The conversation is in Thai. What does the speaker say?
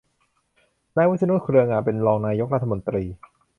นายวิษณุ เครืองาม เป็นรองนายกรัฐมนตรี